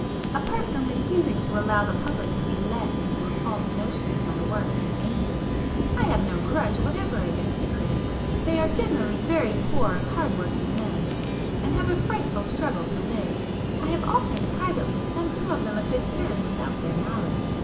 Apart from refusing to allow the public to be led into a false notion of my work and aims, I have no grudge whatever against the critics. They are generally very poor hard working men, and have a frightful struggle to [p 323] live. I have often, privately, done some of them a good turn without their knowledge.